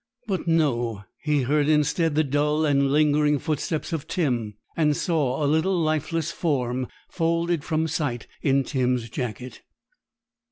But no! he heard instead the dull and lingering footsteps of Tim, and saw a little lifeless form folded from sight in Tim's jacket.